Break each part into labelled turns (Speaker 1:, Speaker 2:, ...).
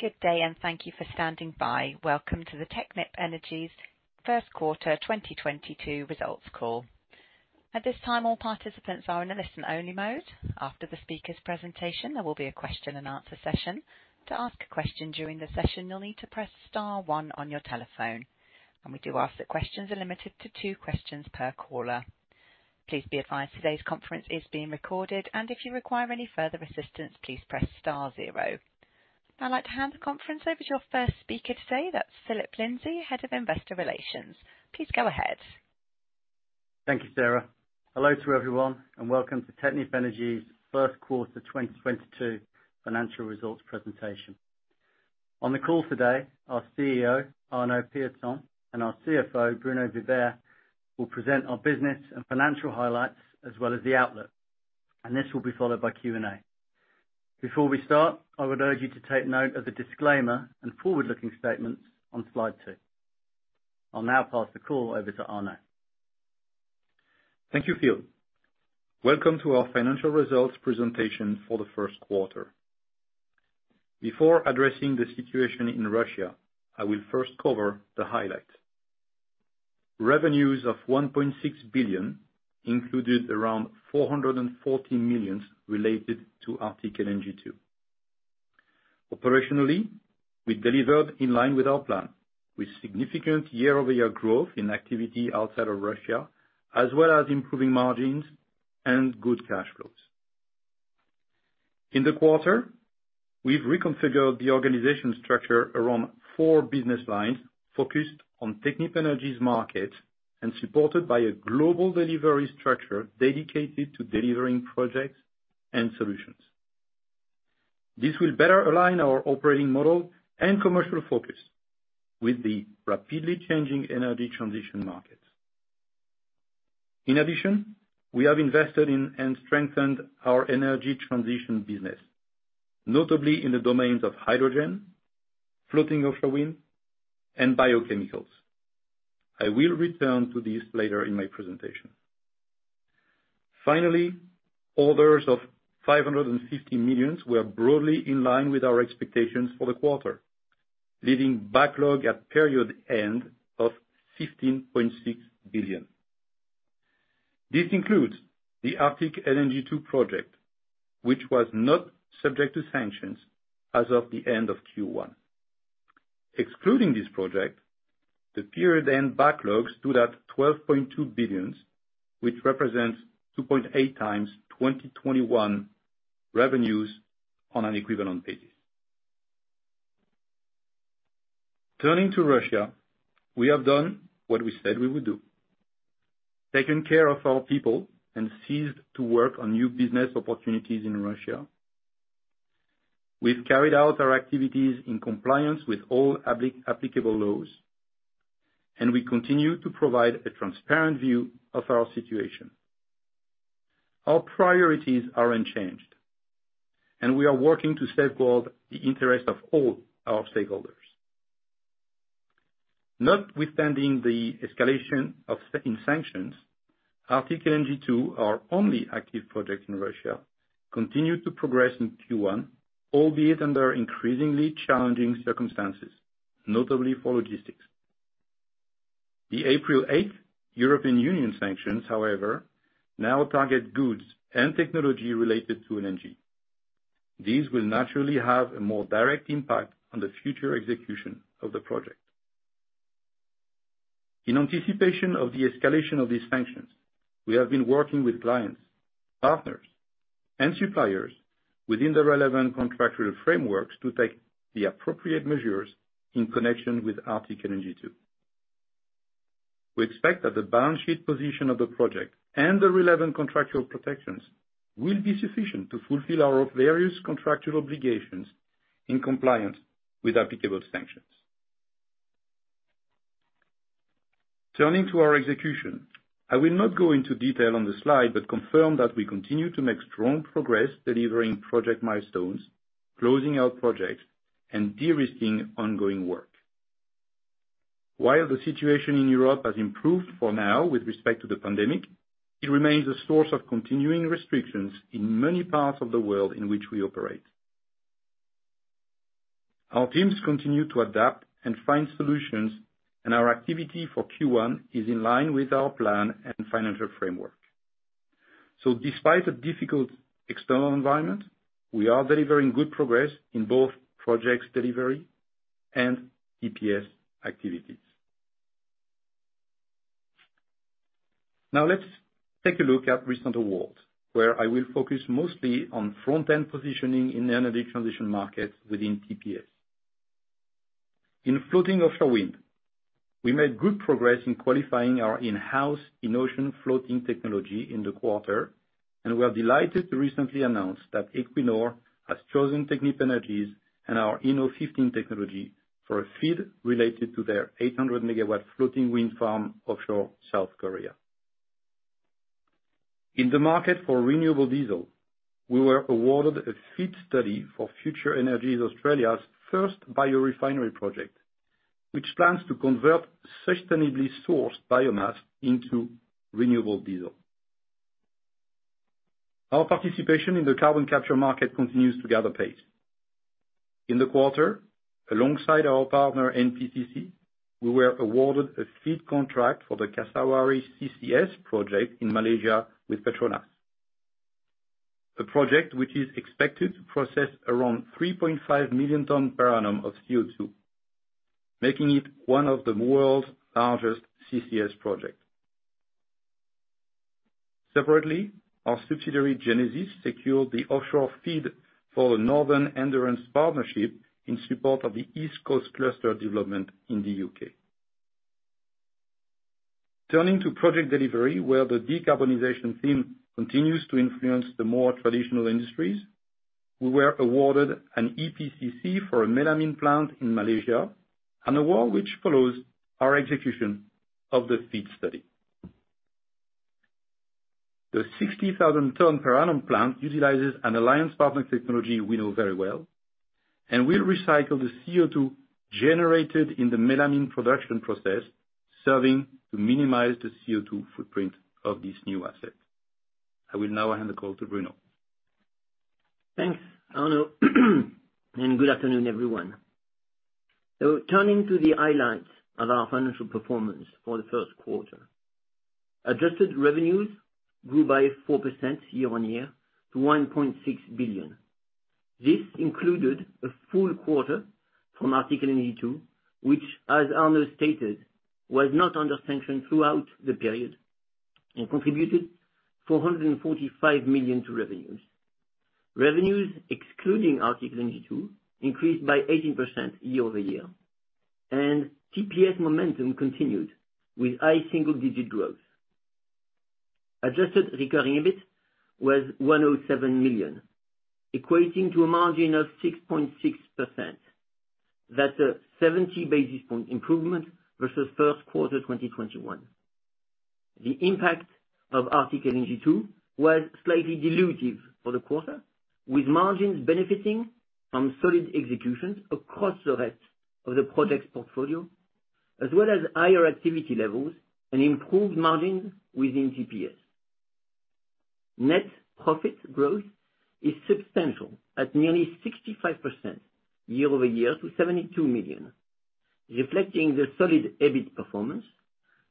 Speaker 1: Good day, and thank you for standing by. Welcome to the Technip Energies first quarter 2022 results call. At this time, all participants are in a listen-only mode. After the speakers' presentation, there will be a question and answer session. To ask a question during the session, you'll need to press star one on your telephone. We do ask that questions are limited to two questions per caller. Please be advised today's conference is being recorded, and if you require any further assistance, please press star zero. I'd like to hand the conference over to your first speaker today. That's Phillip Lindsay, Head of Investor Relations. Please go ahead.
Speaker 2: Thank you, Sarah. Hello to everyone, and welcome to Technip Energies first quarter 2022 financial results presentation. On the call today, our CEO, Arnaud Pieton, and our CFO, Bruno Vibert, will present our business and financial highlights as well as the outlook. This will be followed by Q&A. Before we start, I would urge you to take note of the disclaimer and forward-looking statements on slide two. I'll now pass the call over to Arnaud.
Speaker 3: Thank you, Phil. Welcome to our financial results presentation for the first quarter. Before addressing the situation in Russia, I will first cover the highlights. Revenues of 1.6 billion included around 414 million related to Arctic LNG 2. Operationally, we delivered in line with our plan, with significant year-over-year growth in activity outside of Russia, as well as improving margins and good cash flows. In the quarter, we've reconfigured the organization structure around four business lines focused on Technip Energies market and supported by a global delivery structure dedicated to delivering projects and solutions. This will better align our operating model and commercial focus with the rapidly changing energy transition markets. In addition, we have invested in and strengthened our energy transition business, notably in the domains of hydrogen, floating offshore wind, and biochemicals. I will return to this later in my presentation. Finally, orders of 550 million were broadly in line with our expectations for the quarter, leaving backlog at period end of 15.6 billion. This includes the Arctic LNG 2 project, which was not subject to sanctions as of the end of Q1. Excluding this project, the period end backlog stood at 12.2 billion, which represents 2.8x 2021 revenues on an equivalent basis. Turning to Russia, we have done what we said we would do, taken care of our people and ceased to work on new business opportunities in Russia. We've carried out our activities in compliance with all applicable laws, and we continue to provide a transparent view of our situation. Our priorities are unchanged, and we are working to safeguard the interest of all our stakeholders. Notwithstanding the escalation in sanctions, Arctic LNG 2, our only active project in Russia, continued to progress in Q1, albeit under increasingly challenging circumstances, notably for logistics. The April 8 European Union sanctions, however, now target goods and technology related to LNG. These will naturally have a more direct impact on the future execution of the project. In anticipation of the escalation of these sanctions, we have been working with clients, partners, and suppliers within the relevant contractual frameworks to take the appropriate measures in connection with Arctic LNG 2. We expect that the balance sheet position of the project and the relevant contractual protections will be sufficient to fulfill our various contractual obligations in compliance with applicable sanctions. Turning to our execution. I will not go into detail on the slide, but confirm that we continue to make strong progress delivering project milestones, closing out projects, and de-risking ongoing work. While the situation in Europe has improved for now with respect to the pandemic, it remains a source of continuing restrictions in many parts of the world in which we operate. Our teams continue to adapt and find solutions, and our activity for Q1 is in line with our plan and financial framework. Despite a difficult external environment, we are delivering good progress in both Project Delivery and TPS activities. Now let's take a look at recent awards, where I will focus mostly on front-end positioning in the energy transition market within TPS. In floating offshore wind, we made good progress in qualifying our in-house Inocean floating technology in the quarter, and we are delighted to recently announce that Equinor has chosen Technip Energies and our INO 15 technology for a FID related to their 800 MW floating wind farm offshore South Korea. In the market for renewable diesel, we were awarded a FID study for FutureEnergy Australia's first biorefinery project, which plans to convert sustainably sourced biomass into renewable diesel. Our participation in the carbon capture market continues to gather pace. In the quarter, alongside our partner, NPCC, we were awarded a FEED contract for the Kasawari CCS project in Malaysia with PETRONAS. A project which is expected to process around 3.5 million tons per annum of CO2, making it one of the world's largest CCS projects. Separately, our subsidiary, Genesis, secured the offshore feed for Northern Endurance Partnership in support of the East Coast Cluster development in the U.K. Turning to Project Delivery, where the decarbonization theme continues to influence the more traditional industries, we were awarded an EPCC for a melamine plant in Malaysia, an award which follows our execution of the feed study. The 60,000 ton per annum plant utilizes an alliance partnering technology we know very well and will recycle the CO2 generated in the melamine production process, serving to minimize the CO2 footprint of this new asset. I will now hand the call to Bruno.
Speaker 4: Thanks, Arnaud. Good afternoon, everyone. Turning to the highlights of our financial performance for the first quarter. Adjusted revenues grew by 4% year-over-year to 1.6 billion. This included a full quarter from Arctic LNG 2, which, as Arnaud stated, was not under sanction throughout the period and contributed 445 million to revenues. Revenues excluding Arctic LNG 2 increased by 18% year-over-year, and TPS momentum continued with high single-digit growth. Adjusted recurring EBIT was 107 million, equating to a margin of 6.6%. That's a 70 basis point improvement versus first quarter 2021. The impact of Arctic LNG 2 was slightly dilutive for the quarter, with margins benefiting from solid execution across the rest of the projects portfolio, as well as higher activity levels and improved margins within TPS. Net profit growth is substantial at nearly 65% year-over-year to 72 million, reflecting the solid EBIT performance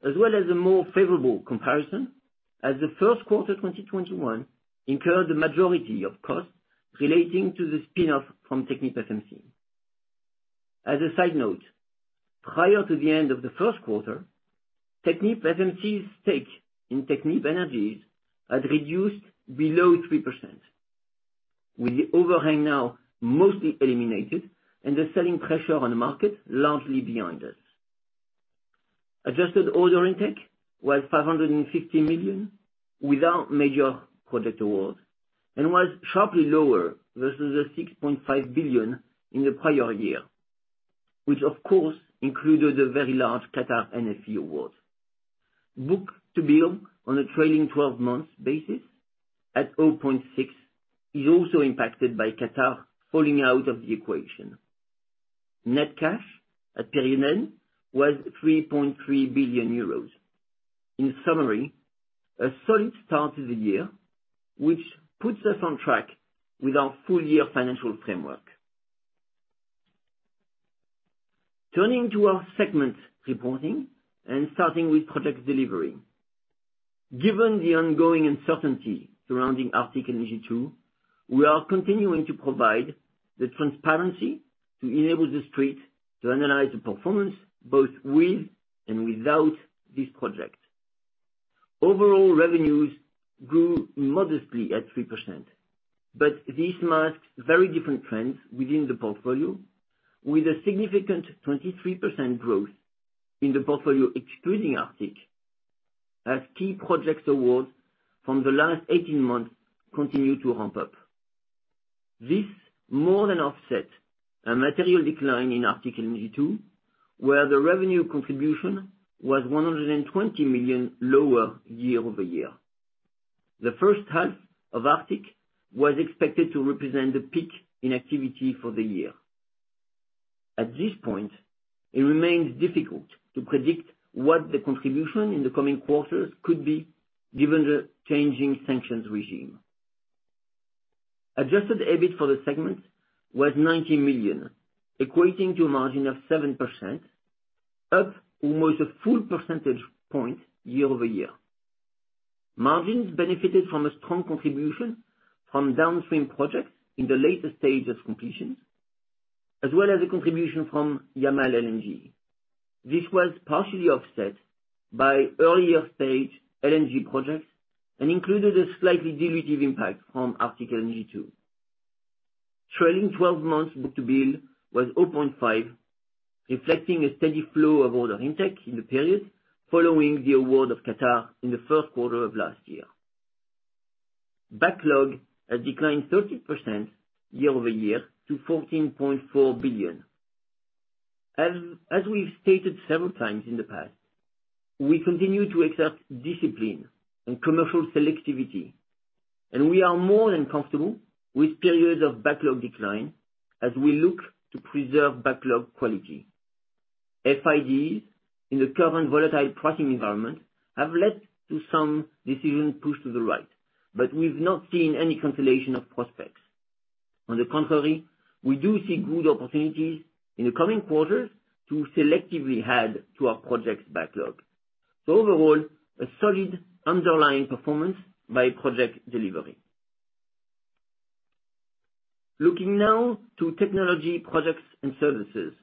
Speaker 4: as well as a more favorable comparison as the first quarter 2021 incurred the majority of costs relating to the spin-off from TechnipFMC. As a side note, prior to the end of the first quarter, TechnipFMC's stake in Technip Energies had reduced below 3%, with the overhang now mostly eliminated and the selling pressure on the market largely behind us. Adjusted order intake was 550 million without major project awards and was sharply lower versus the 6.5 billion in the prior year, which of course included a very large Qatar NFE award. Book-to-bill on a trailing 12-month basis at 0.6 is also impacted by Qatar falling out of the equation. Net cash at period end was 3.3 billion euros. In summary, a solid start to the year, which puts us on track with our full year financial framework. Turning to our segment reporting and starting with Project Delivery. Given the ongoing uncertainty surrounding Arctic LNG 2, we are continuing to provide the transparency to enable the Street to analyze the performance both with and without this project. Overall revenues grew modestly at 3%, but this masks very different trends within the portfolio, with a significant 23% growth in the portfolio excluding Arctic, as key projects awards from the last 18 months continue to ramp up. This more than offset a material decline in Arctic LNG 2, where the revenue contribution was 120 million lower year-over-year. The first half of Arctic was expected to represent the peak in activity for the year. At this point, it remains difficult to predict what the contribution in the coming quarters could be given the changing sanctions regime. Adjusted EBIT for the segment was 90 million, equating to a margin of 7%, up almost a full percentage point year-over-year. Margins benefited from a strong contribution from downstream projects in the later stage of completion, as well as a contribution from Yamal LNG. This was partially offset by earlier stage LNG projects and included a slightly dilutive impact from Arctic LNG 2. Trailing 12 months book-to-bill was 0.5, reflecting a steady flow of order intake in the period following the award of Qatar in the first quarter of last year. Backlog has declined 13% year-over-year to 14.4 billion. We've stated several times in the past, we continue to exert discipline and commercial selectivity, and we are more than comfortable with periods of backlog decline as we look to preserve backlog quality. FIDs in the current volatile pricing environment have led to some decision push to the right, but we've not seen any cancellation of prospects. On the contrary, we do see good opportunities in the coming quarters to selectively add to our projects backlog. Overall, a solid underlying performance by Project Delivery. Looking now to Technology, Products and Services,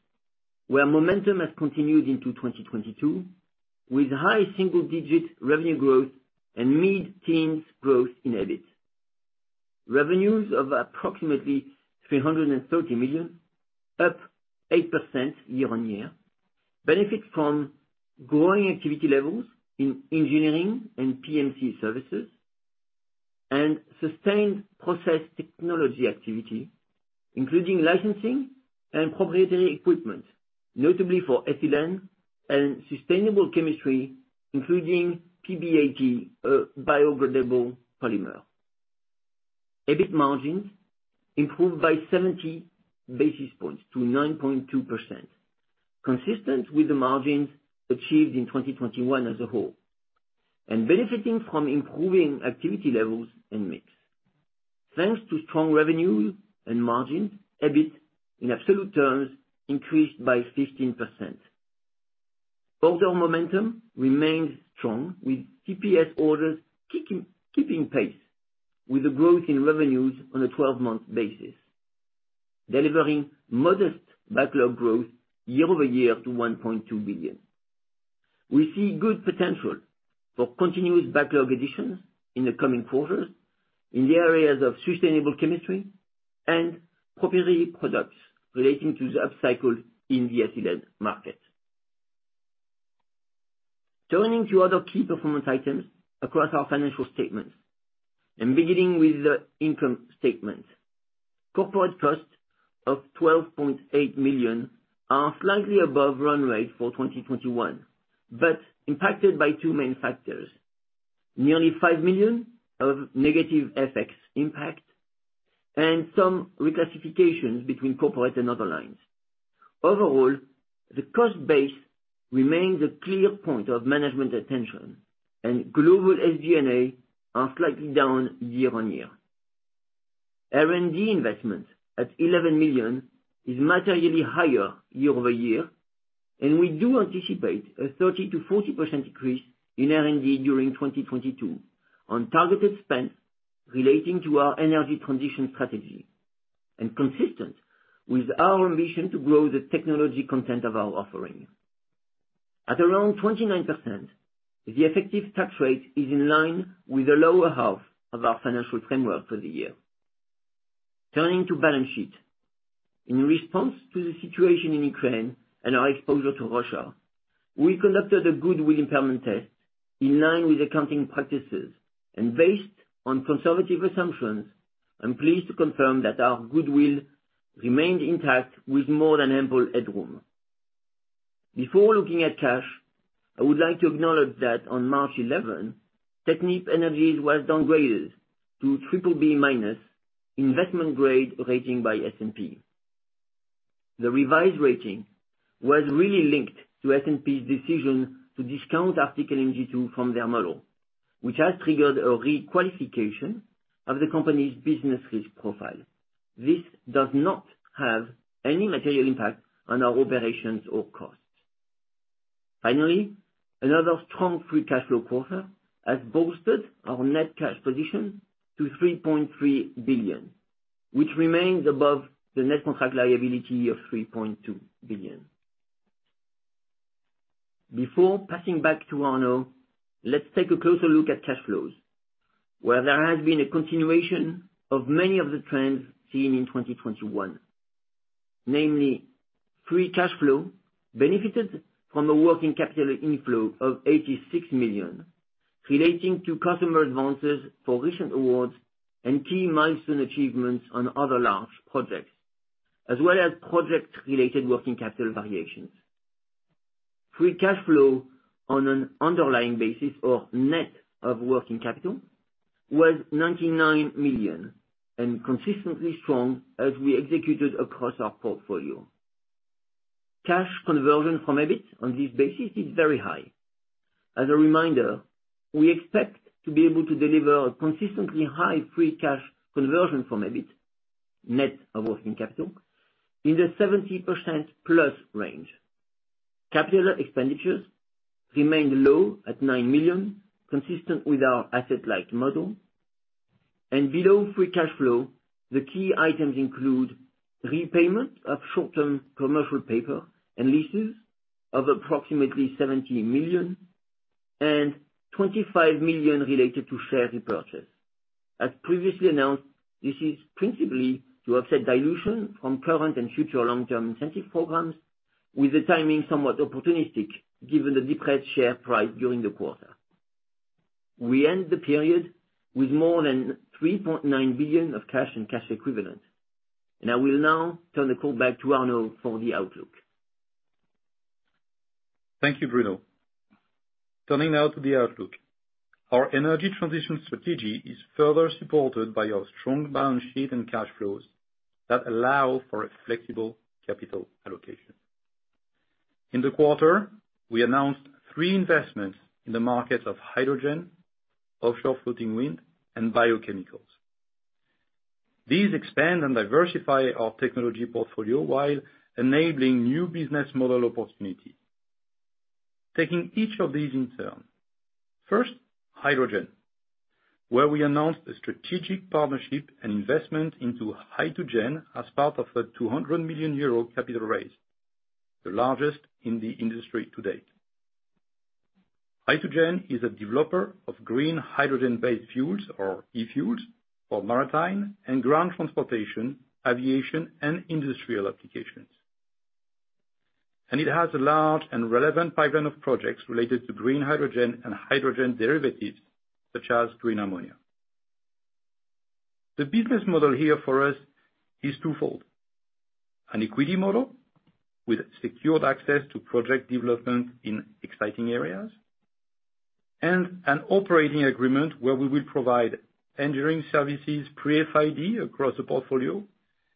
Speaker 4: where momentum has continued into 2022, with high single-digit revenue growth and mid-teens growth in EBIT. Revenues of approximately 300 million, up 8% year-over-year, benefit from growing activity levels in engineering and PMC services and sustained process technology activity, including licensing and proprietary equipment, notably for ethylene and sustainable chemistry including PBAT, biodegradable polymer. EBIT margins improved by 70 basis points to 9.2%, consistent with the margins achieved in 2021 as a whole, and benefiting from improving activity levels and mix. Thanks to strong revenue and margin, EBIT in absolute terms increased by 15%. Order momentum remains strong with TPS orders keeping pace with the growth in revenues on a 12-month basis, delivering modest backlog growth year-over-year to 1.2 billion. We see good potential for continuous backlog additions in the coming quarters in the areas of sustainable chemistry and proprietary products relating to the upcycle in the ethylene market. Turning to other key performance items across our financial statements, and beginning with the income statement. Corporate costs of 12.8 million are slightly above run rate for 2021, but impacted by two main factors, nearly 5 million of negative FX impact and some reclassifications between corporate and other lines. Overall, the cost base remains a clear point of management attention and global SG&A are slightly down year-on-year. R&D investment at 11 million is materially higher year-over-year, and we do anticipate a 30%-40% increase in R&D during 2022 on targeted spend relating to our energy transition strategy and consistent with our ambition to grow the technology content of our offering. At around 29%, the effective tax rate is in line with the lower half of our financial framework for the year. Turning to balance sheet. In response to the situation in Ukraine and our exposure to Russia, we conducted a goodwill impairment test in line with accounting practices. Based on conservative assumptions, I'm pleased to confirm that our goodwill remained intact with more than ample headroom. Before looking at cash, I would like to acknowledge that on March 11, Technip Energies was downgraded to BBB- investment grade rating by S&P. The revised rating was really linked to S&P's decision to discount Arctic LNG 2 from their model, which has triggered a re-qualification of the company's business risk profile. This does not have any material impact on our operations or costs. Finally, another strong free cash flow quarter has boosted our net cash position to 3.3 billion, which remains above the net contract liability of 3.2 billion. Before passing back to Arnaud, let's take a closer look at cash flows, where there has been a continuation of many of the trends seen in 2021. Namely, free cash flow benefited from a working capital inflow of 86 million relating to customer advances for recent awards and key milestone achievements on other large projects, as well as project-related working capital variations. Free cash flow on an underlying basis or net of working capital was 99 million and consistently strong as we executed across our portfolio. Cash conversion from EBIT on this basis is very high. As a reminder, we expect to be able to deliver a consistently high free cash conversion from EBIT, net of working capital, in the 70%+ range. Capital expenditures remained low at 9 million, consistent with our asset-light model. Below free cash flow, the key items include repayment of short-term commercial paper and leases of approximately 70 million and 25 million related to share repurchase. As previously announced, this is principally to offset dilution from current and future long-term incentive programs, with the timing somewhat opportunistic given the depressed share price during the quarter. We end the period with more than 3.9 billion of cash and cash equivalents. I will now turn the call back to Arnaud for the outlook.
Speaker 3: Thank you, Bruno. Turning now to the outlook. Our energy transition strategy is further supported by our strong balance sheet and cash flows that allow for a flexible capital allocation. In the quarter, we announced three investments in the markets of hydrogen, offshore floating wind, and biochemicals. These expand and diversify our technology portfolio while enabling new business model opportunity. Taking each of these in turn. First, hydrogen, where we announced a strategic partnership and investment into Hy2gen as part of a 200 million euro capital raise, the largest in the industry to date. Hy2gen is a developer of green hydrogen-based fuels or e-fuels for maritime and ground transportation, aviation, and industrial applications. It has a large and relevant pipeline of projects related to green hydrogen and hydrogen derivatives, such as green ammonia. The business model here for us is twofold. An equity model with secured access to project development in exciting areas, and an operating agreement where we will provide engineering services pre-FID across the portfolio,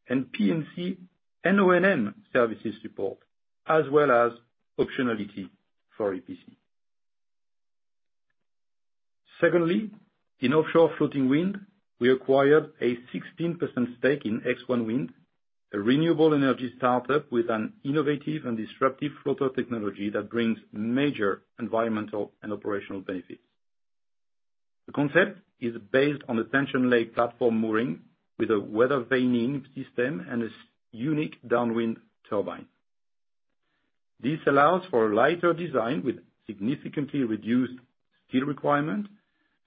Speaker 3: and PMC and O&M services support, as well as optionality for EPC. Secondly, in offshore floating wind, we acquired a 16% stake in X1 Wind, a renewable energy start-up with an innovative and disruptive floater technology that brings major environmental and operational benefits. The concept is based on a tension leg platform mooring with a weather vaning system and a unique downwind turbine. This allows for a lighter design with significantly reduced steel requirement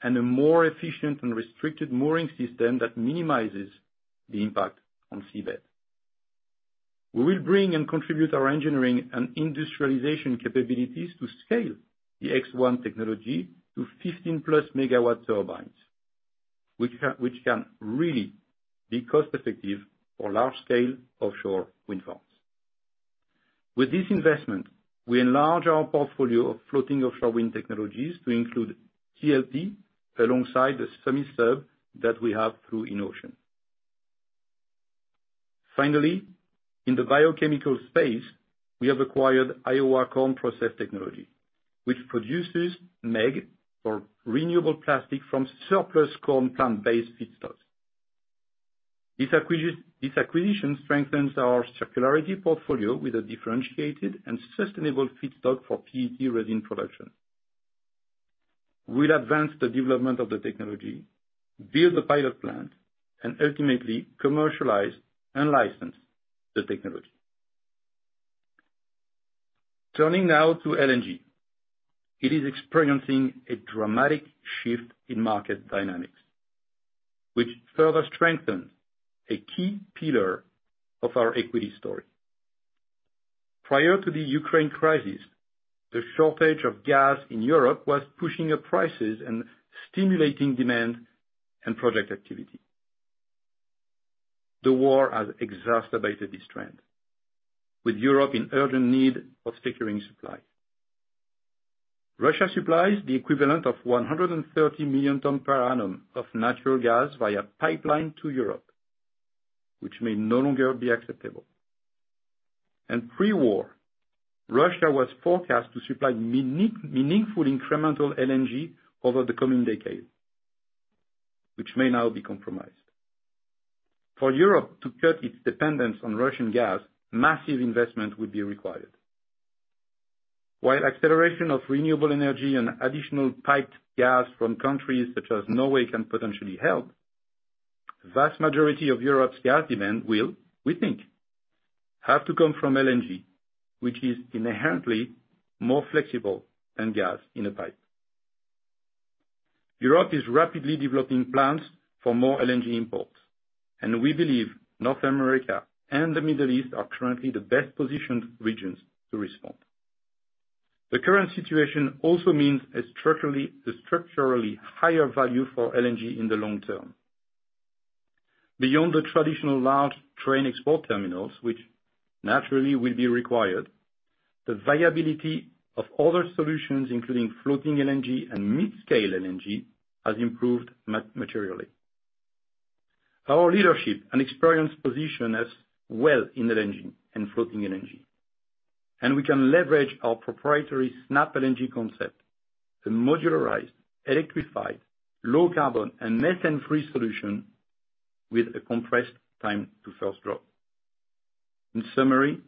Speaker 3: and a more efficient and restrained mooring system that minimizes the impact on seabed. We will bring and contribute our engineering and industrialization capabilities to scale the X1 technology to 15+ MW turbines, which can really be cost effective for large scale offshore wind farms. With this investment, we enlarge our portfolio of floating offshore wind technologies to include TLP alongside the semi-sub that we have through Inocean. Finally, in the biochemical space, we have acquired Iowa Corn Process Technology, which produces MEG for renewable plastic from surplus corn plant-based feedstocks. This acquisition strengthens our circularity portfolio with a differentiated and sustainable feedstock for PET resin production. We'll advance the development of the technology, build the pilot plant, and ultimately commercialize and license the technology. Turning now to LNG. It is experiencing a dramatic shift in market dynamics, which further strengthens a key pillar of our equity story. Prior to the Ukraine crisis, the shortage of gas in Europe was pushing up prices and stimulating demand and project activity. The war has exacerbated this trend, with Europe in urgent need of securing supply. Russia supplies the equivalent of 130 million tons per annum of natural gas via pipeline to Europe, which may no longer be acceptable. Pre-war, Russia was forecast to supply meaningful incremental LNG over the coming decade, which may now be compromised. For Europe to cut its dependence on Russian gas, massive investment would be required. While acceleration of renewable energy and additional piped gas from countries such as Norway can potentially help, vast majority of Europe's gas demand will, we think, have to come from LNG, which is inherently more flexible than gas in a pipe. Europe is rapidly developing plans for more LNG imports, and we believe North America and the Middle East are currently the best positioned regions to respond. The current situation also means a structurally higher value for LNG in the long term. Beyond the traditional large train export terminals, which naturally will be required, the viability of other solutions, including floating LNG and mid-scale LNG, has improved materially. Our leadership and experience position us well in LNG and floating LNG, and we can leverage our proprietary SnapLNG concept to modularize, electrify low-carbon and methane-free solution with a compressed time to first drop. In summary,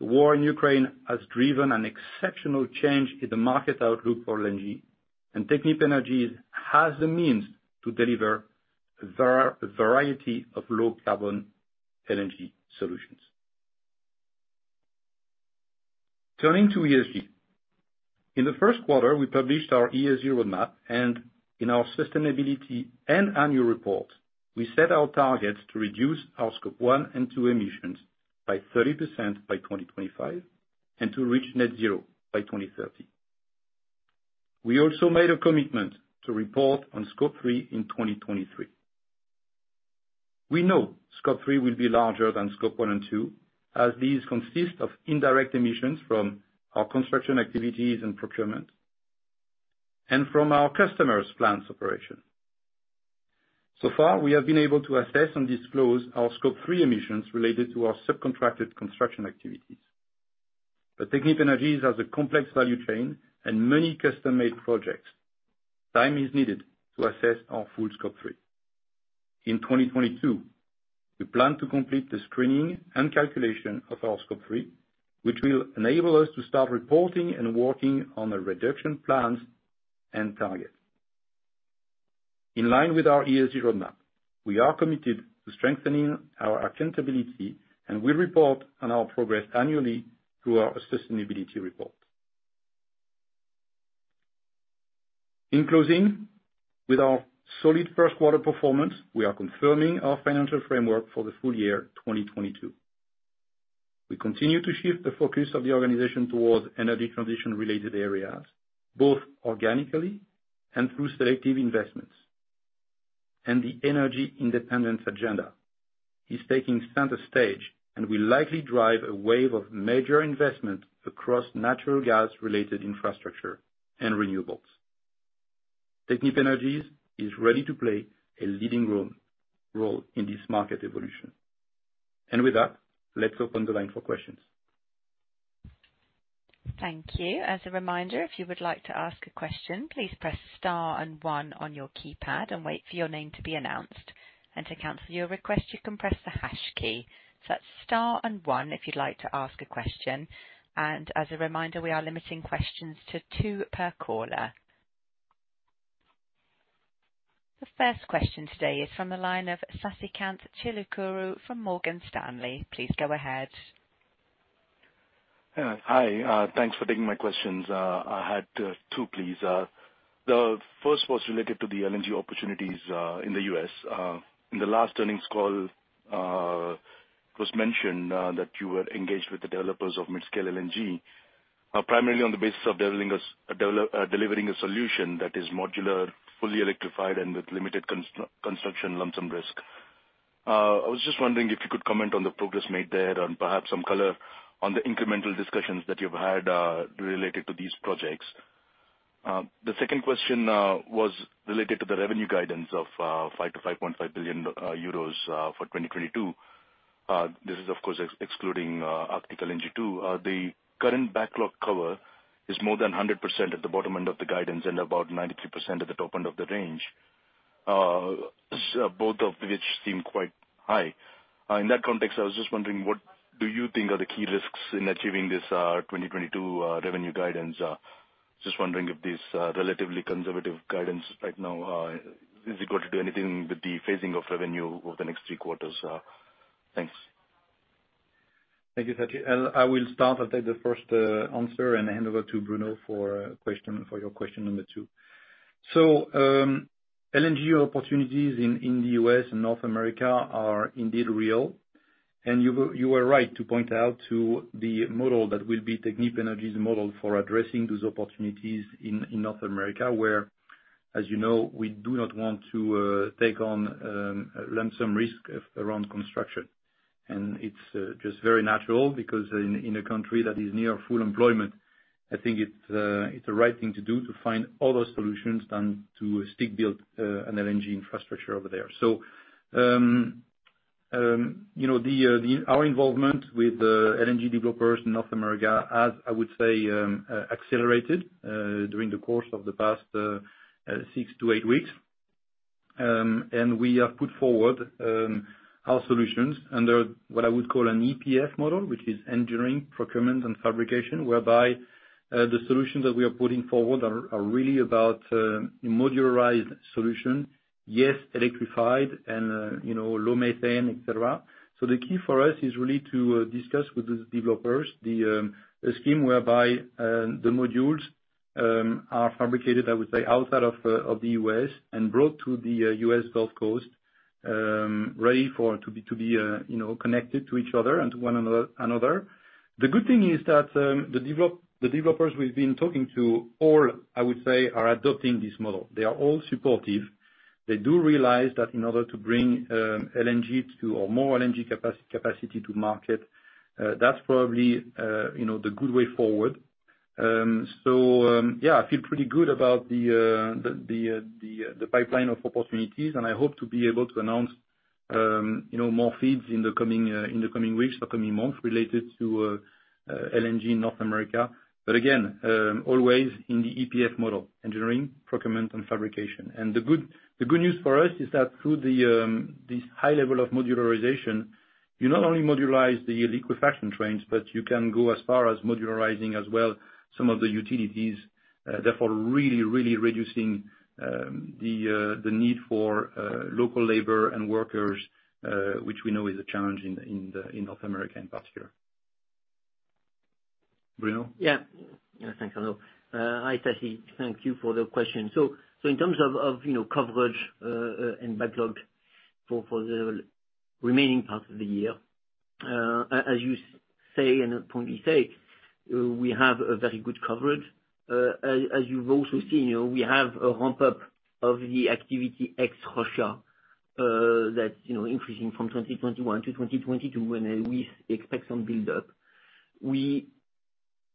Speaker 3: the war in Ukraine has driven an exceptional change in the market outlook for LNG and Technip Energies has the means to deliver variety of low-carbon LNG solutions. Turning to ESG. In the first quarter, we published our ESG roadmap, and in our sustainability and annual report, we set our targets to reduce our Scope 1 and 2 emissions by 30% by 2025 and to reach net zero by 2030. We also made a commitment to report on Scope 3 in 2023. We know Scope 3 will be larger than Scope 1 and 2, as these consist of indirect emissions from our construction activities and procurement and from our customers' plants operation. So far, we have been able to assess and disclose our Scope 3 emissions related to our subcontracted construction activities. Technip Energies has a complex value chain and many custom-made projects. Time is needed to assess our full Scope 3. In 2022, we plan to complete the screening and calculation of our Scope 3, which will enable us to start reporting and working on the reduction plans and targets. In line with our ESG roadmap, we are committed to strengthening our accountability, and we report on our progress annually through our sustainability report. In closing, with our solid first quarter performance, we are confirming our financial framework for the full year 2022. We continue to shift the focus of the organization towards energy transition related areas, both organically and through selective investments. The energy independence agenda is taking center stage and will likely drive a wave of major investment across natural gas related infrastructure and renewables. Technip Energies is ready to play a leading role in this market evolution. With that, let's open the line for questions.
Speaker 1: Thank you. As a reminder, if you would like to ask a question, please press Star and One on your keypad and wait for your name to be announced. To cancel your request, you can press the Hash key. That's Star and One if you'd like to ask a question. As a reminder, we are limiting questions to two per caller. The first question today is from the line of Sasikanth Chilukuru from Morgan Stanley. Please go ahead.
Speaker 5: Hi. Thanks for taking my questions. I had two, please. The first was related to the LNG opportunities in the U.S. In the last earnings call, it was mentioned that you were engaged with the developers of mid-scale LNG, primarily on the basis of delivering a solution that is modular, fully electrified, and with limited construction lump sum risk. I was just wondering if you could comment on the progress made there and perhaps some color on the incremental discussions that you've had related to these projects. The second question was related to the revenue guidance of 5 billion-5.5 billion euros for 2022. This is of course excluding Arctic LNG 2. The current backlog cover is more than 100% at the bottom end of the guidance and about 93% at the top end of the range, both of which seem quite high. In that context, I was just wondering, what do you think are the key risks in achieving this 2022 revenue guidance? Just wondering if this relatively conservative guidance right now is it due to anything with the phasing of revenue over the next three quarters. Thanks.
Speaker 3: Thank you, Sasikanth. I will start. I'll take the first answer and hand over to Bruno for your question number two. LNG opportunities in the U.S. and North America are indeed real. You were right to point out the model that will be Technip Energies model for addressing those opportunities in North America, where, as you know, we do not want to take on lump sum risk around construction. It's just very natural because in a country that is near full employment, I think it's the right thing to do to find other solutions than to stick build an LNG infrastructure over there. You know, our involvement with LNG developers in North America, as I would say, accelerated during the course of the past six to eight weeks. We have put forward our solutions under what I would call an EPF model, which is engineering, procurement, and fabrication, whereby the solutions that we are putting forward are really about modularized solutions. Yes, electrified and you know, low methane, et cetera. The key for us is really to discuss with the developers the scheme whereby the modules are fabricated, I would say, outside of the U.S. and brought to the U.S. Gulf Coast, ready to be you know, connected to each other and to one another. The good thing is that the developers we've been talking to all, I would say, are adopting this model. They are all supportive. They do realize that in order to bring LNG or more LNG capacity to market, that's probably, you know, the good way forward. Yeah, I feel pretty good about the pipeline of opportunities, and I hope to be able to announce, you know, more feeds in the coming weeks or coming months related to LNG in North America. But again, always in the EPF model, engineering, procurement, and fabrication. The good news for us is that through this high level of modularization, you not only modularize the liquefaction trains, but you can go as far as modularizing as well some of the utilities, therefore really reducing the need for local labor and workers, which we know is a challenge in North America in particular. Bruno?
Speaker 4: Yeah, thanks, Arnaud. Hi, Sasikanth. Thank you for the question. In terms of, you know, coverage and backlog for the remaining part of the year As you say, we have a very good coverage. As you've also seen, you know, we have a ramp up of the activity ex Russia, that, you know, increasing from 2021 to 2022, and we expect some build-up. We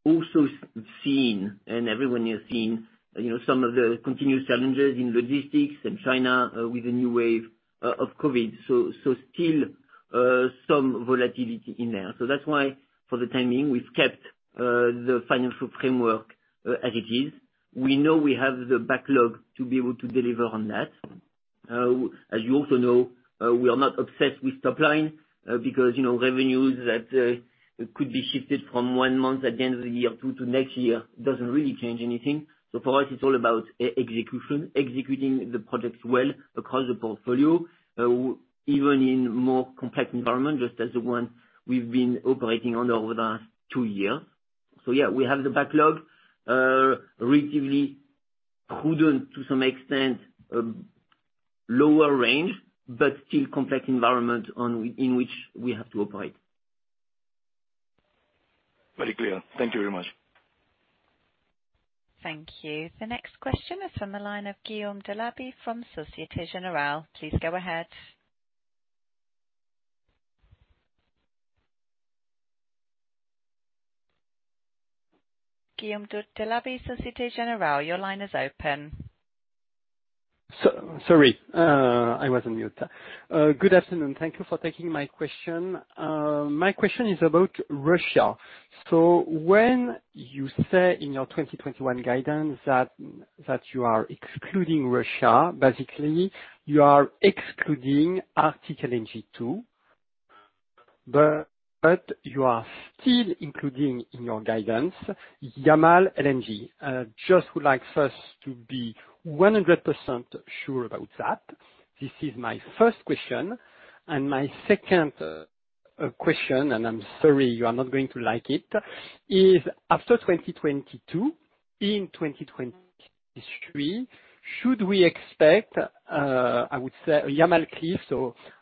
Speaker 4: also have seen, and everyone has seen, you know, some of the continuous challenges in logistics in China, with the new wave of COVID. Still, some volatility in there. That's why, for the time being, we've kept the financial framework as it is. We know we have the backlog to be able to deliver on that. As you also know, we are not obsessed with top line, because, you know, revenues that could be shifted from one month at the end of the year to next year doesn't really change anything. For us, it's all about execution, executing the projects well across the portfolio, even in more complex environment, just as the one we've been operating under over the last two years. Yeah, we have the backlog, relatively prudent to some extent, lower range, but still complex environment in which we have to operate.
Speaker 5: Very clear. Thank you very much.
Speaker 1: Thank you. The next question is from the line of Guillaume Delaby from Société Générale. Please go ahead. Guillaume Delaby, Société Générale, your line is open.
Speaker 6: Sorry, I was on mute. Good afternoon. Thank you for taking my question. My question is about Russia. When you say in your 2021 guidance that you are excluding Russia, basically you are excluding Arctic LNG 2, but you are still including in your guidance Yamal LNG. Just would like us to be 100% sure about that. This is my first question. My second question, and I'm sorry, you are not going to like it, is after 2022, in 2023, should we expect a Yamal cliff?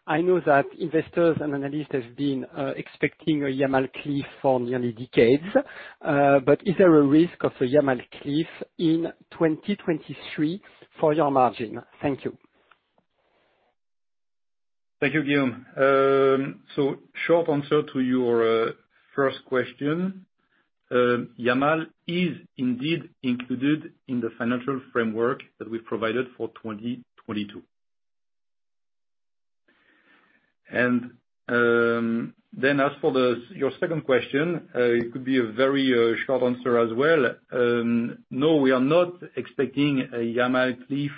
Speaker 6: I know that investors and analysts have been expecting a Yamal cliff for nearly decades, but is there a risk of a Yamal cliff in 2023 for your margin? Thank you.
Speaker 3: Thank you, Guillaume. Short answer to your first question. Yamal is indeed included in the financial framework that we've provided for 2022. As for your second question, it could be a very short answer as well. No, we are not expecting a Yamal cliff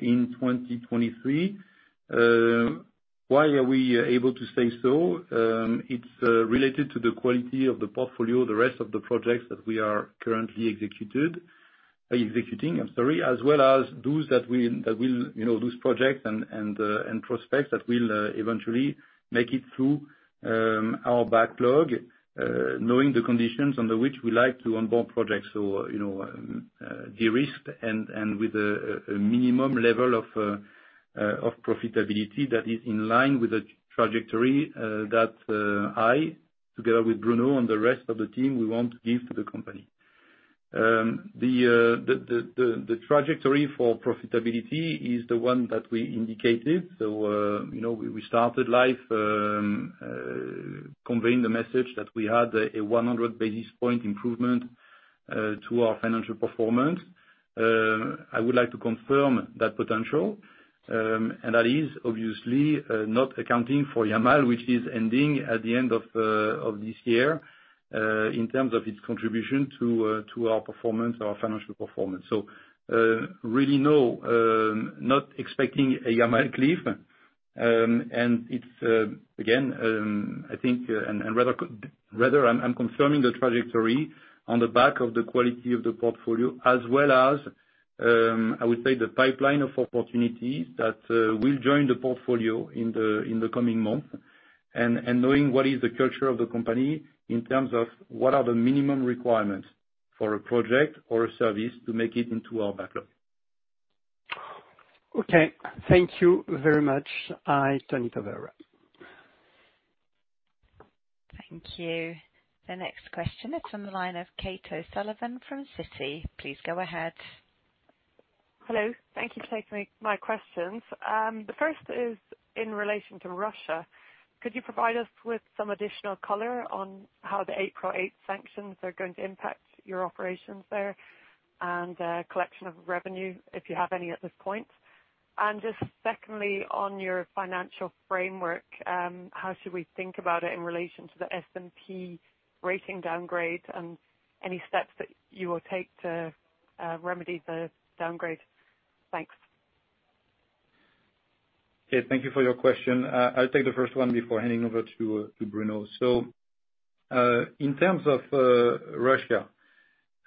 Speaker 3: in 2023. Why are we able to say so? It's related to the quality of the portfolio, the rest of the projects that we are currently executing, I'm sorry, as well as those that will, you know, those projects and prospects that will eventually make it through our backlog, knowing the conditions under which we like to onboard projects, you know, de-risked and with a minimum level of profitability that is in line with the trajectory that I, together with Bruno and the rest of the team, want to give to the company. The trajectory for profitability is the one that we indicated. You know, we started life conveying the message that we had a 100 basis point improvement to our financial performance. I would like to confirm that potential. That is obviously not accounting for Yamal, which is ending at the end of this year in terms of its contribution to our performance, our financial performance. Really, no, not expecting a Yamal cliff. It's again, I think, rather, I'm confirming the trajectory on the back of the quality of the portfolio, as well as I would say, the pipeline of opportunities that will join the portfolio in the coming months. Knowing what is the culture of the company in terms of what are the minimum requirements for a project or a service to make it into our backlog.
Speaker 6: Okay. Thank you very much. I turn it over.
Speaker 1: Thank you. The next question is from the line of Kate O'Sullivan from Citi. Please go ahead.
Speaker 7: Hello. Thank you for taking my questions. The first is in relation to Russia. Could you provide us with some additional color on how the April 8 sanctions are going to impact your operations there and collection of revenue, if you have any at this point? Just secondly, on your financial framework, how should we think about it in relation to the S&P rating downgrade and any steps that you will take to remedy the downgrade? Thanks.
Speaker 3: Kate, thank you for your question. I'll take the first one before handing over to Bruno. In terms of Russia,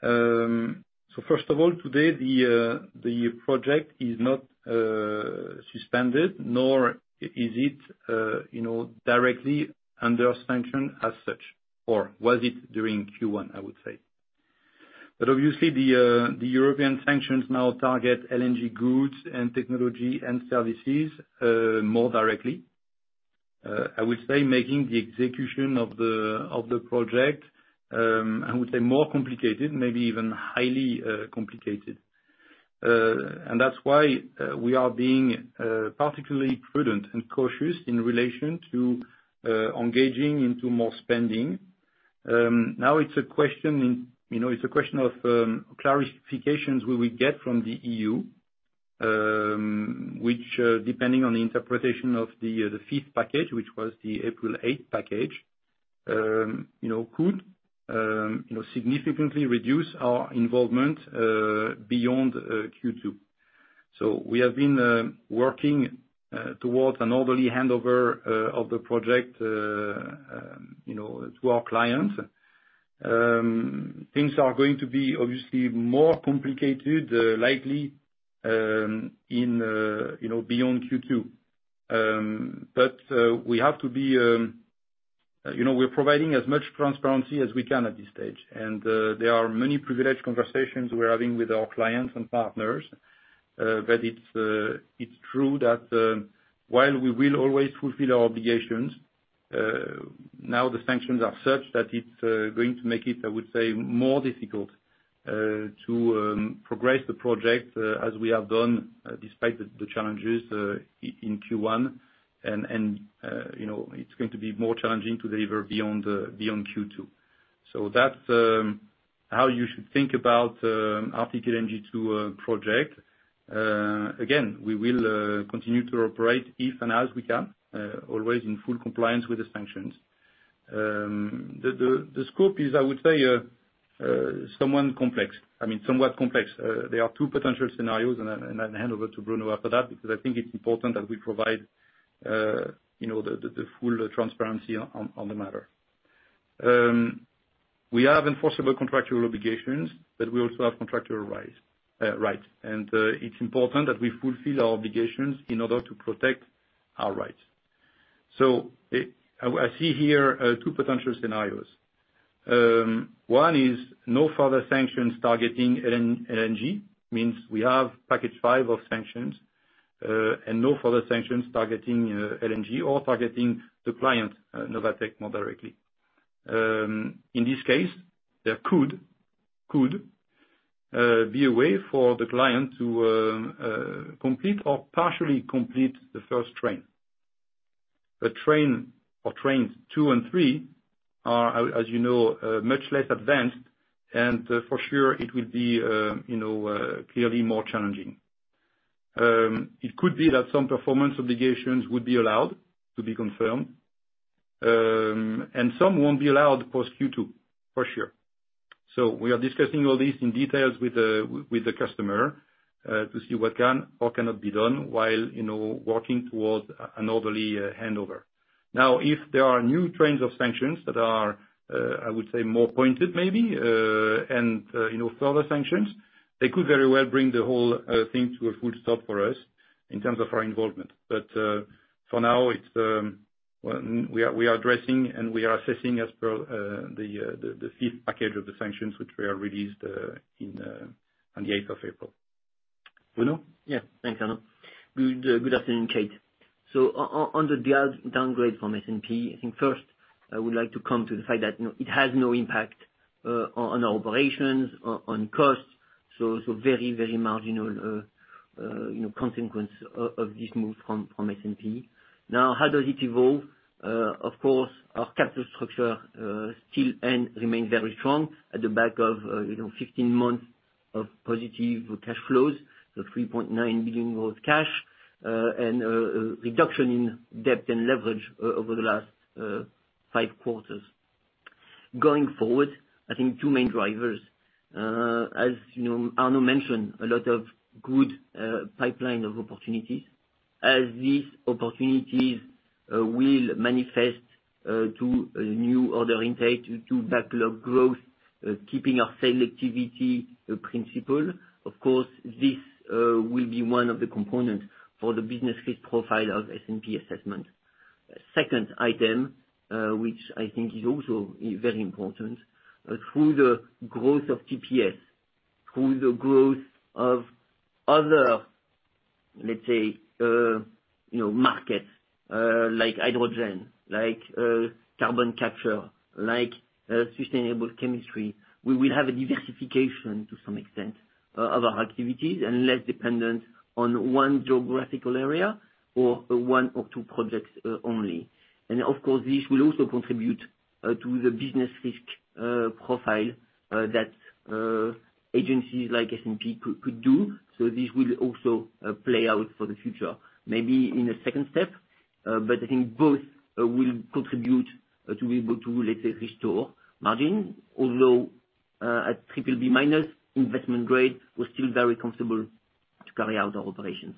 Speaker 3: first of all, today the project is not suspended, nor is it you know directly under sanction as such, nor was it during Q1, I would say. Obviously, the European sanctions now target LNG goods and technology and services more directly. I would say making the execution of the project more complicated, maybe even highly complicated. That's why we are being particularly prudent and cautious in relation to engaging into more spending. It's a question of clarifications we will get from the EU, which, depending on the interpretation of the fifth package, which was the April 8 package, you know, could significantly reduce our involvement beyond Q2. We have been working towards an orderly handover of the project to our clients. Things are going to be obviously more complicated, likely in you know beyond Q2. We have to be you know we're providing as much transparency as we can at this stage. There are many privileged conversations we're having with our clients and partners, but it's true that, while we will always fulfill our obligations, now the sanctions are such that it's going to make it, I would say, more difficult to progress the project as we have done despite the challenges in Q1. You know, it's going to be more challenging to deliver beyond Q2. That's how you should think about our LNG-2 project. Again, we will continue to operate if and as we can, always in full compliance with the sanctions. The scope is, I would say, somewhat complex. There are two potential scenarios and I'll hand over to Bruno after that, because I think it's important that we provide the full transparency on the matter. We have enforceable contractual obligations, but we also have contractual rights. It's important that we fulfill our obligations in order to protect our rights. I see two potential scenarios. One is no further sanctions targeting LNG, meaning we have package five of sanctions, and no further sanctions targeting LNG or targeting the client, Novatek more directly. In this case, there could be a way for the client to complete or partially complete the first train. Train or trains two and three are, as you know, much less advanced, and for sure it will be, you know, clearly more challenging. It could be that some performance obligations would be allowed to be confirmed, and some won't be allowed post Q2, for sure. We are discussing all this in detail with the customer to see what can or cannot be done while, you know, working towards an orderly handover. Now, if there are new rounds of sanctions that are, I would say more pointed maybe, and, you know, further sanctions, they could very well bring the whole thing to a full stop for us in terms of our involvement. For now, it's well, we are addressing and we are assessing as per the fifth package of the sanctions which were released on the eighth of April. Bruno?
Speaker 4: Thanks, Arnaud. Good afternoon, Kate. On the downgrade from S&P, I think first I would like to come to the fact that, you know, it has no impact on our operations, on costs, so it's a very marginal, you know, consequence of this move from S&P. Now, how does it evolve? Of course, our capital structure still remains very strong at the back of, you know, 15 months of positive cash flows, the $3.9 billion cash, and a reduction in debt and leverage over the last five quarters. Going forward, I think two main drivers. As you know, Arnaud mentioned a lot of good pipeline of opportunities. As these opportunities will manifest to a new order intake to backlog growth, keeping our sales activity principle, of course, this will be one of the components for the business risk profile of S&P assessment. Second item, which I think is also very important, through the growth of TPS, through the growth of other, let's say, you know, markets like hydrogen, like carbon capture, like sustainable chemistry, we will have a diversification to some extent of our activities and less dependent on one geographical area or one or two projects only. Of course, this will also contribute to the business risk profile that agencies like S&P could do. This will also play out for the future. Maybe in a second step, but I think both will contribute to be able to, let's say, restore margin, although at BBB- investment grade, we're still very comfortable to carry out our operations.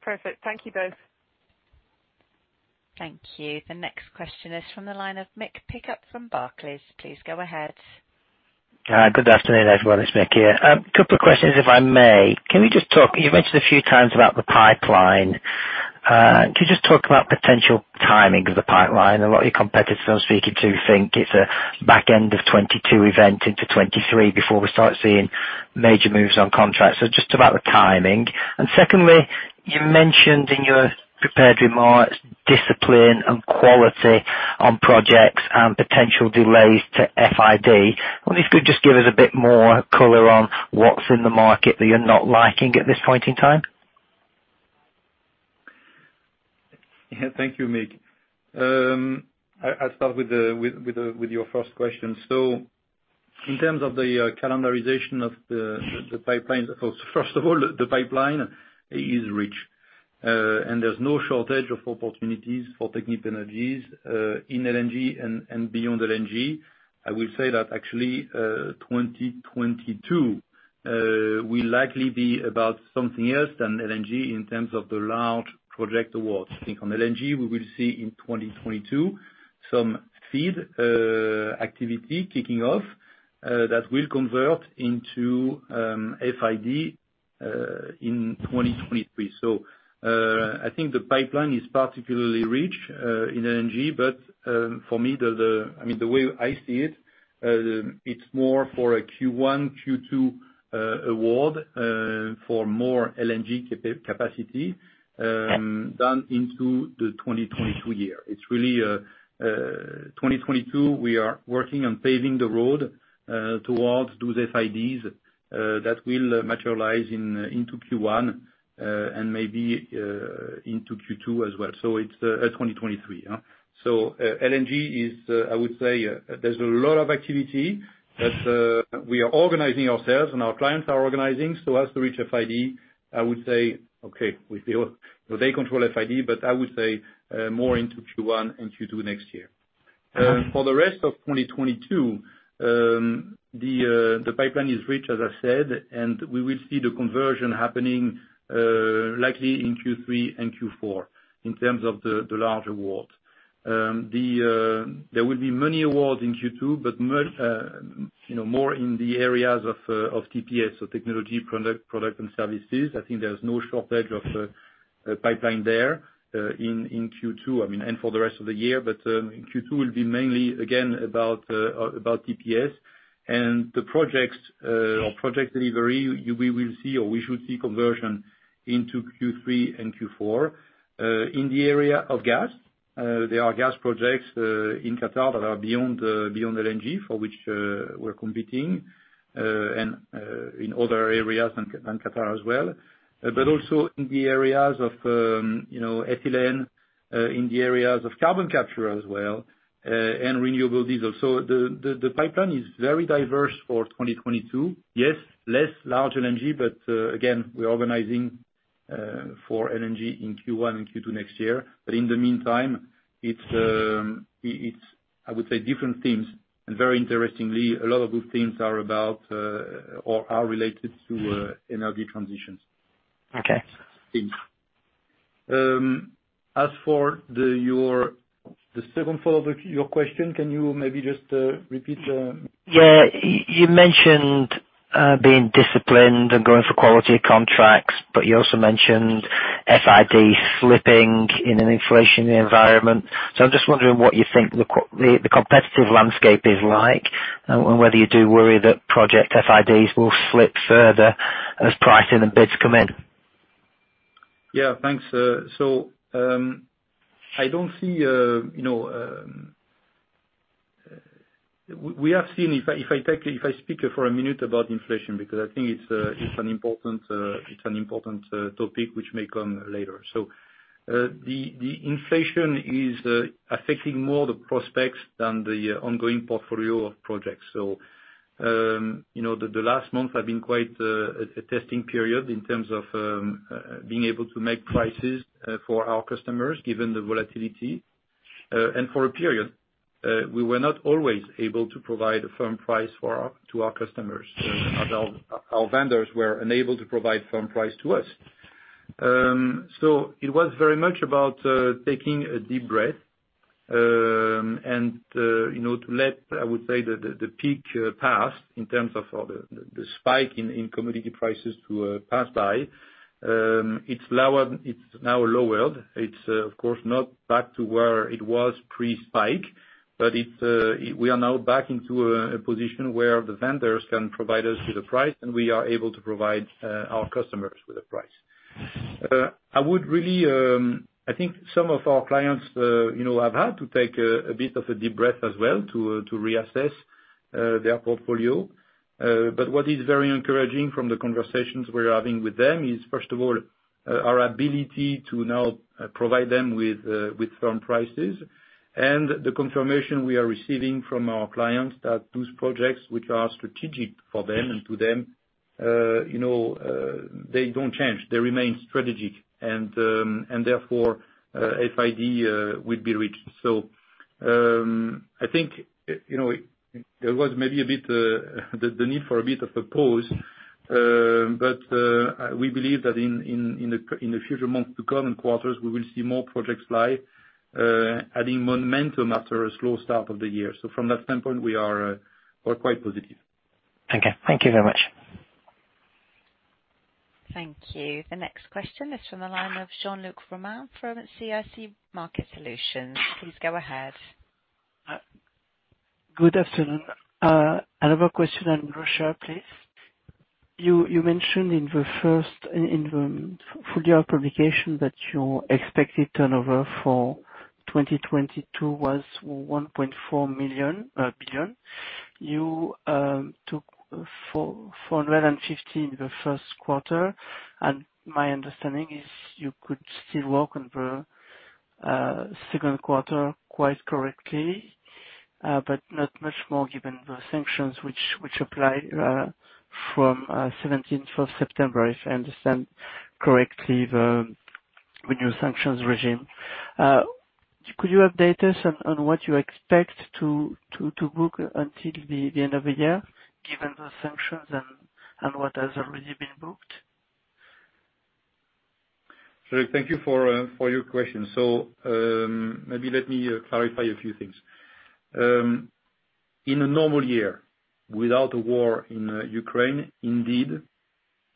Speaker 7: Perfect. Thank you both.
Speaker 1: Thank you. The next question is from the line of Mick Pickup from Barclays. Please go ahead.
Speaker 8: Good afternoon, everyone. It's Mick here. A couple of questions, if I may. Could you just talk about potential timing of the pipeline? A lot of your competitors I'm speaking to think it's a back end of 2022 event into 2023 before we start seeing major moves on contracts. Just about the timing. Secondly, you mentioned in your prepared remarks discipline and quality on projects and potential delays to FID. I wonder if you could just give us a bit more color on what's in the market that you're not liking at this point in time.
Speaker 3: Yeah. Thank you, Mick. I'll start with your first question. In terms of the calendarization of the pipeline, first of all, the pipeline is rich. There's no shortage of opportunities for Technip Energies in LNG and beyond LNG. I will say that actually, 2022 will likely be about something else than LNG in terms of the large project awards. I think on LNG, we will see in 2022 some FEED activity kicking off that will convert into FID in 2023. I think the pipeline is particularly rich in LNG. I mean, the way I see it's more for a Q1, Q2 award for more LNG capacity than into the 2022 year. It's really 2022, we are working on paving the road towards those FIDs that will materialize into Q1 and maybe into Q2 as well. It's 2023. LNG is, I would say, there's a lot of activity that we are organizing ourselves and our clients are organizing as to reach FID. I would say, well, they control FID, but I would say more into Q1 and Q2 next year. For the rest of 2022, the pipeline is rich, as I said, and we will see the conversion happening, likely in Q3 and Q4 in terms of the large awards. There will be many awards in Q2, but you know, more in the areas of TPS, so technology, product, and services. I think there's no shortage of pipeline there in Q2, I mean, and for the rest of the year. Q2 will be mainly, again, about TPS. The projects or Project Delivery, we will see or we should see conversion into Q3 and Q4. In the area of gas, there are gas projects in Qatar that are beyond LNG for which we're competing, and in other areas than Qatar as well. In the areas of, you know, ethylene, in the areas of carbon capture as well, and renewable diesel. The pipeline is very diverse for 2022. Less large LNG, but again, we're organizing for LNG in Q1 and Q2 next year. In the meantime, it's, I would say, different themes. Very interestingly, a lot of those themes are about, or are related to, energy transitions.
Speaker 8: Okay.
Speaker 3: As for your second follow-up question, can you maybe just repeat?
Speaker 8: Yeah. You mentioned being disciplined and going for quality of contracts, but you also mentioned FID slipping in an inflationary environment. I'm just wondering what you think the competitive landscape is like, and whether you do worry that project FIDs will slip further as pricing and bids come in.
Speaker 3: Yeah, thanks. We have seen, if I speak for a minute about inflation, because I think it's an important topic which may come later. The inflation is affecting more the prospects than the ongoing portfolio of projects. You know, the last month have been quite a testing period in terms of being able to make prices for our customers, given the volatility. For a period, we were not always able to provide a firm price to our customers, as our vendors were unable to provide firm price to us. It was very much about taking a deep breath, you know, to let, I would say, the peak pass in terms of the spike in commodity prices to pass by. It's now lowered. It's of course not back to where it was pre-spike, but we are now back into a position where the vendors can provide us with a price, and we are able to provide our customers with a price. I think some of our clients, you know, have had to take a bit of a deep breath as well to reassess their portfolio. What is very encouraging from the conversations we're having with them is, first of all, our ability to now provide them with firm prices, and the confirmation we are receiving from our clients that those projects which are strategic for them and to them, you know, they don't change, they remain strategic and and therefore, FID will be reached. I think, you know, there was maybe a bit, the need for a bit of a pause. We believe that in the future months to come and quarters, we will see more projects live, adding momentum after a slow start of the year. From that standpoint, we're quite positive.
Speaker 8: Okay. Thank you very much.
Speaker 1: Thank you. The next question is from the line of Jean-Luc Romain from CIC Market Solutions. Please go ahead.
Speaker 9: Good afternoon. I have a question on Russia, please. You mentioned in the full year publication that your expected turnover for 2022 was 1.4 billion. You took 450 million in the first quarter, and my understanding is you could still work on the second quarter quite correctly, but not much more given the sanctions which apply from September 17, if I understand correctly, the renewed sanctions regime. Could you update us on what you expect to book until the end of the year, given those sanctions and what has already been booked?
Speaker 3: Thank you for your question. Maybe let me clarify a few things. In a normal year, without the war in Ukraine, indeed,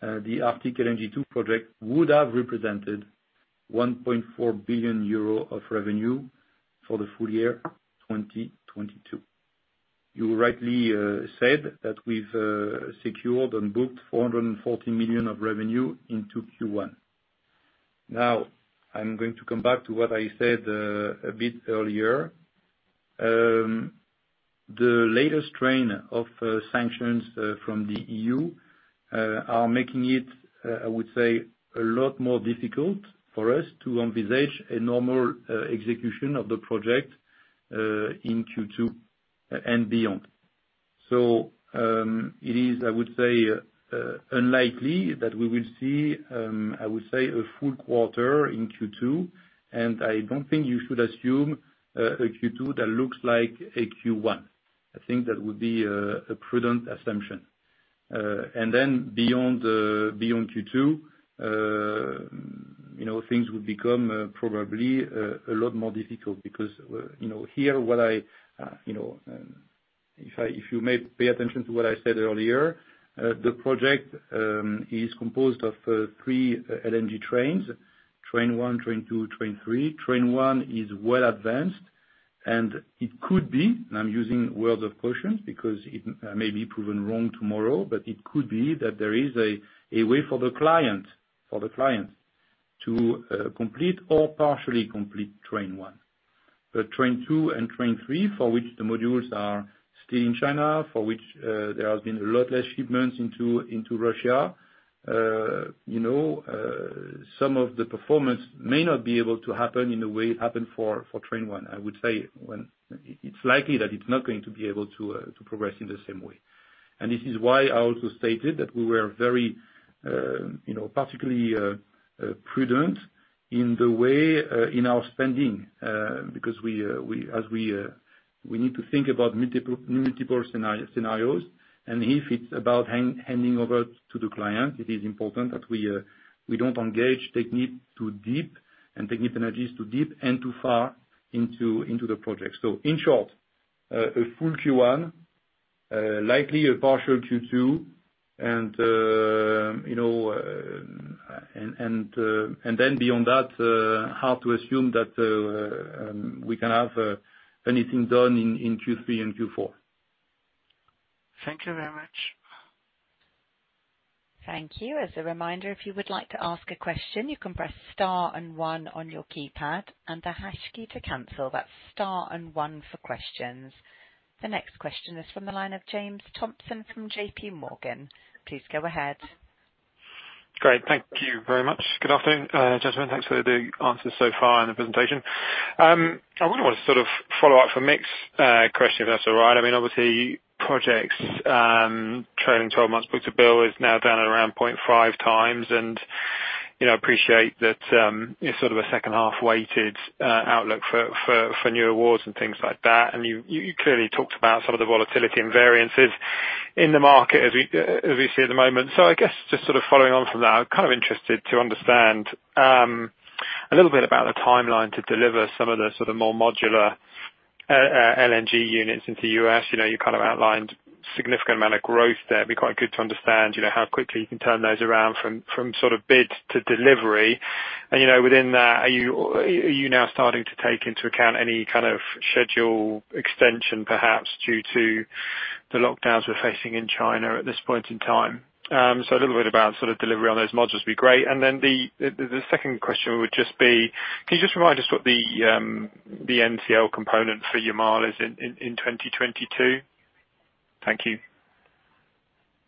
Speaker 3: the Arctic LNG 2 project would have represented 1.4 billion euro of revenue for the full year 2022. You rightly said that we've secured and booked 440 million of revenue into Q1. Now I'm going to come back to what I said a bit earlier. The latest string of sanctions from the EU are making it, I would say, a lot more difficult for us to envisage a normal execution of the project in Q2 and beyond. It is, I would say, unlikely that we will see, I would say, a full quarter in Q2, and I don't think you should assume a Q2 that looks like a Q1. I think that would be a prudent assumption. And then beyond Q2, you know, things would become probably a lot more difficult because, you know, here what I, you know. If you may pay attention to what I said earlier, the project is composed of three LNG trains, train one, train two, train three. Train one is well advanced, and it could be, and I'm using words of caution because it may be proven wrong tomorrow, but it could be that there is a way for the client to complete or partially complete train one. Train two and train three, for which the modules are still in China, for which there have been a lot less shipments into Russia. You know, some of the performance may not be able to happen in the way it happened for train one. I would say it's likely that it's not going to be able to progress in the same way. This is why I also stated that we were very, you know, particularly prudent in the way in our spending, because we As we need to think about multiple scenarios, and if it's about handing over to the client, it is important that we don't engage Technip too deep and Technip Energies too deep and too far into the project. In short, a full Q1, likely a partial Q2, and you know, and then beyond that, hard to assume that we can have anything done in Q3 and Q4.
Speaker 9: Thank you very much.
Speaker 1: Thank you. As a reminder, if you would like to ask a question, you can press star and one on your keypad and the hash key to cancel. That's star and one for questions. The next question is from the line of James Thompson from JPMorgan. Please go ahead.
Speaker 10: Great. Thank you very much. Good afternoon, gentlemen. Thanks for the answers so far and the presentation. I wonder what sort of follow-up from Mick. Question, if that's all right. I mean, obviously projects, trailing 12 months book-to-bill is now down around 0.5x. You know, appreciate that, you're sort of a second half weighted outlook for new awards and things like that. You clearly talked about some of the volatility and variances in the market as we see at the moment. I guess just sort of following on from that, I'm kind of interested to understand a little bit about the timeline to deliver some of the sort of more modular LNG units into U.S. You know, you kind of outlined significant amount of growth there. It'd be quite good to understand, you know, how quickly you can turn those around from sort of bid to delivery. You know, within that, are you now starting to take into account any kind of schedule extension, perhaps due to the lockdowns we're facing in China at this point in time? A little bit about sort of delivery on those modules would be great. The second question would just be, can you just remind us what the NCL component for Yamal is in 2022? Thank you.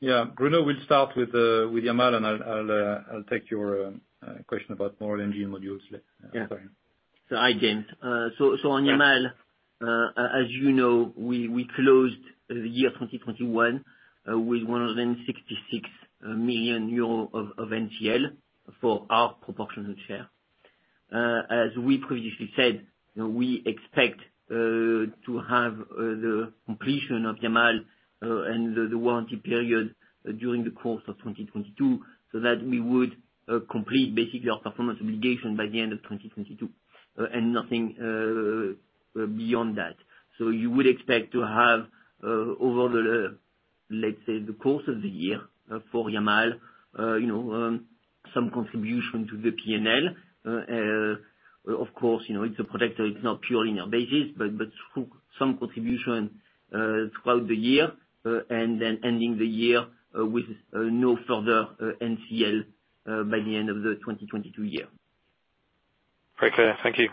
Speaker 3: Yeah. Bruno will start with Yamal, and I'll take your question about more LNG modules left.
Speaker 4: Yeah.
Speaker 3: Sorry.
Speaker 4: Hi, James. On Yamal-
Speaker 3: Yeah
Speaker 4: As you know, we closed the year 2021 with 166 million euros of NCL for our proportional share. As we previously said, we expect to have the completion of Yamal and the warranty period during the course of 2022, so that we would complete basically our performance obligation by the end of 2022. Nothing beyond that. You would expect to have over the course of the year for Yamal you know some contribution to the P&L. Of course, you know, it's a project. It's not purely on a basis, but through some contribution throughout the year, and then ending the year with no further NCL by the end of the 2022 year.
Speaker 10: Very clear. Thank you.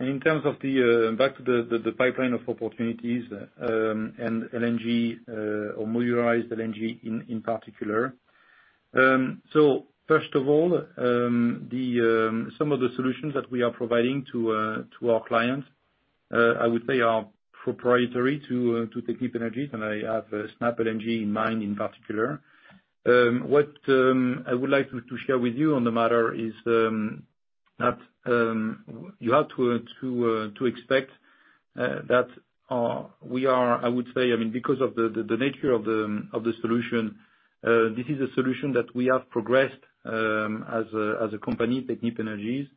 Speaker 3: In terms of back to the pipeline of opportunities and LNG or modularized LNG in particular. First of all, some of the solutions that we are providing to our clients I would say are proprietary to Technip Energies, and I have SnapLNG in mind in particular. What I would like to share with you on the matter is that you have to expect that we are, I would say, I mean, because of the nature of the solution, this is a solution that we have progressed as a company, Technip Energies.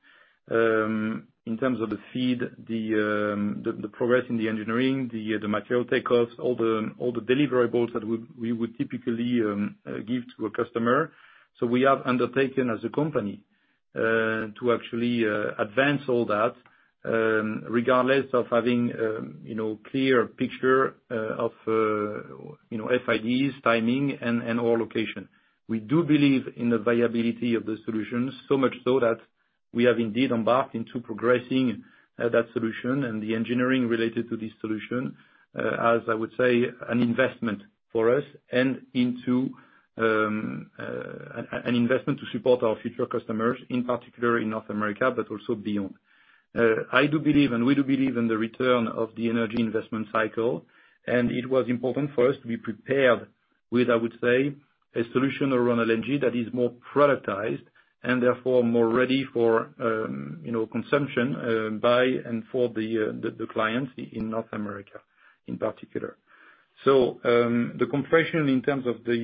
Speaker 3: In terms of the feed, the progress in the engineering, the material takeoffs, all the deliverables that we would typically give to a customer. We have undertaken as a company to actually advance all that, regardless of having, you know, clear picture of, you know, FIDs, timing, and our location. We do believe in the viability of the solutions, so much so that we have indeed embarked into progressing that solution and the engineering related to this solution, as I would say, an investment for us and an investment to support our future customers, in particular in North America, but also beyond. I do believe and we do believe in the return of the energy investment cycle, and it was important for us to be prepared with, I would say, a solution around LNG that is more productized and therefore more ready for, you know, consumption by and for the clients in North America, in particular. The compression in terms of the,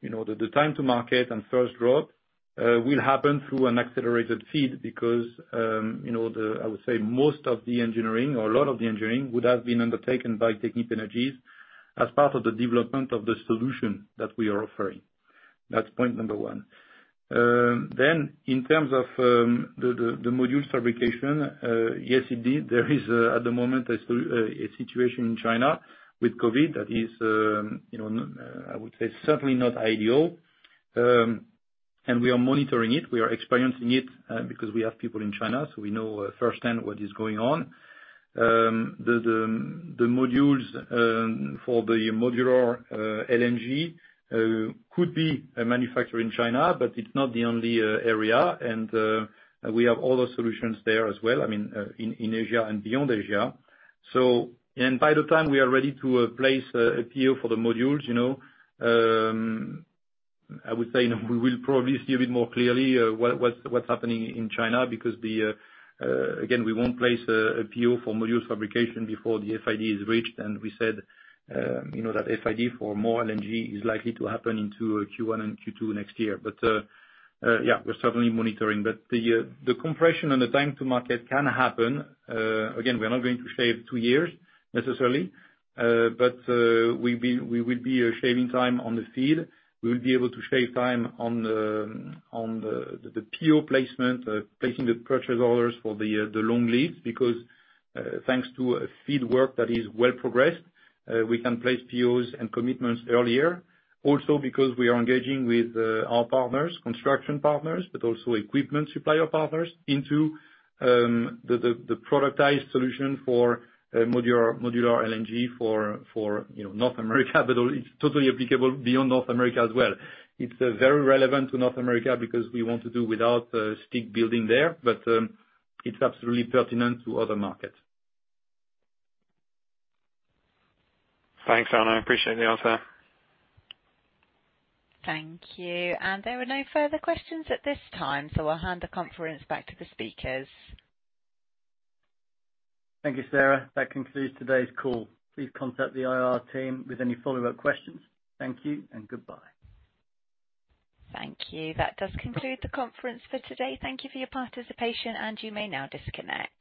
Speaker 3: you know, the time to market and first drop will happen through an accelerated FEED because, you know, I would say most of the engineering or a lot of the engineering would have been undertaken by Technip Energies as part of the development of the solution that we are offering. That's point number one. In terms of the module fabrication, yes, indeed, there is at the moment a situation in China with COVID that is, you know, I would say certainly not ideal. We are monitoring it. We are experiencing it because we have people in China, so we know firsthand what is going on. The modules for the modular LNG could be manufactured in China, but it's not the only area, and we have other solutions there as well, I mean, in Asia and beyond Asia. By the time we are ready to place a PO for the modules, you know, I would say we will probably see a bit more clearly what's happening in China because again, we won't place a PO for module fabrication before the FID is reached. We said, you know, that FID for more LNG is likely to happen into Q1 and Q2 next year. Yeah, we're certainly monitoring. But the compression and the time to market can happen. Again, we are not going to save two years necessarily, but we will be shaving time on the FEED. We will be able to shave time on the PO placement, placing the purchase orders for the long leads, because thanks to FEED work that is well progressed, we can place POs and commitments earlier. Also because we are engaging with our partners, construction partners, but also equipment supplier partners into the productized solution for modular LNG for, you know, North America, but it's totally applicable beyond North America as well. It's very relevant to North America because we want to do without stick building there, but it's absolutely pertinent to other markets.
Speaker 10: Thanks, Arnaud. I appreciate the answer.
Speaker 1: Thank you. There are no further questions at this time, so I'll hand the conference back to the speakers.
Speaker 2: Thank you, Sarah. That concludes today's call. Please contact the IR team with any follow-up questions. Thank you and goodbye.
Speaker 1: Thank you. That does conclude the conference for today. Thank you for your participation, and you may now disconnect.